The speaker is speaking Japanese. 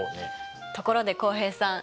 ところで浩平さん。